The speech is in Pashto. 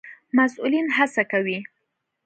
مسئولين هڅه کوي